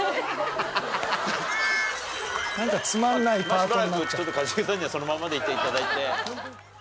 しばらくちょっと一茂さんにはそのままでいて頂いて。